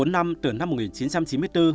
bốn năm từ năm một nghìn chín trăm chín mươi bốn